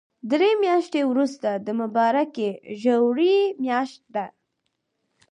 دري مياشتی ورسته د مبارکی ژوری مياشت ده